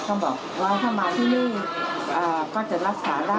ก็มาที่นี่ที่จะรักษาได้